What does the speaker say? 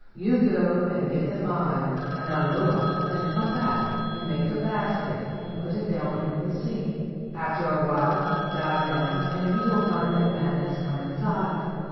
You go and get the vine inalua and come back and make a basket and put it down in the sea. After a while dive down and you will find that man has come inside.